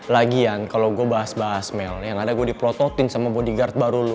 lagian kalo gue bahas bahas mel yang ada gue diprototin sama bodyguard baru lo